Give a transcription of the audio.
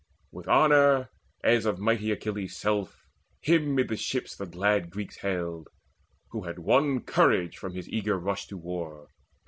With honour as of mighty Achilles' self Him mid the ships the glad Greeks hailed, who had won Courage from that his eager rush to war.